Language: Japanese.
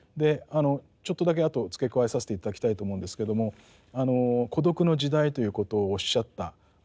ちょっとだけあと付け加えさせて頂きたいと思うんですけども孤独の時代ということをおっしゃったわけですね。